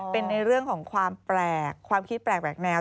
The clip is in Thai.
เป็นในเรื่องของความแปลกความคิดแปลกแนว